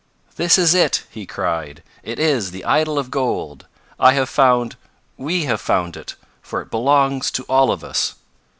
"This is it!" he cried. "It is the idol of gold! I have found We have found it, for it belongs to all of us!"